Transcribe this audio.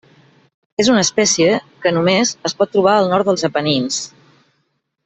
És una espècie que només es pot trobar al nord dels Apenins.